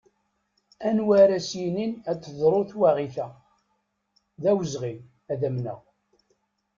Anwa ara as-yinin ad teḍru twaɣit-a, d awezɣi ad amneɣ.